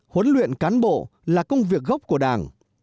huấn luyện cán bộ là công việc gốc của đảng